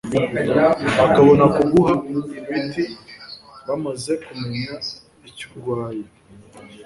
bakabona kuguha imiti bamaze kumenya icyo urwaye .